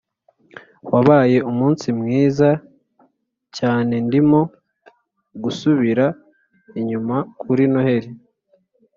wabaye umunsi mwiza cyanendimo gusubira inyuma kuri noheri,